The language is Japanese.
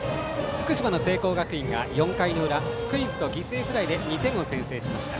福島の聖光学院が４回の裏スクイズと犠牲フライで２点を先制しました。